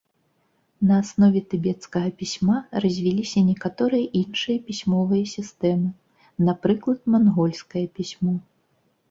На аснове тыбецкага пісьма развіліся некаторыя іншыя пісьмовыя сістэмы, напрыклад, мангольскае пісьмо.